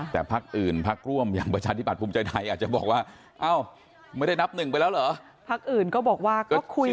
วันนี้อย่างที่ผมเรียนได้ว่าท่านธัะก็ภิษฐานีก็ปี